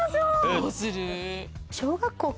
どうする？